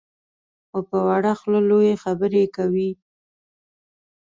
خو په وړه خوله لویې خبرې کوي.